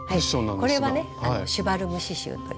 これはね「シュヴァルム」刺しゅうという。